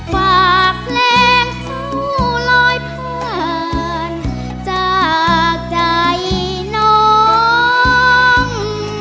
ฝากเพลงเศร้าลอยผ่านจากใจน้อง